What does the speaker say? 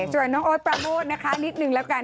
ส่วนโน้นโอ๊ดปรัมโมทนะคะนิดหนึ่งแล้วกัน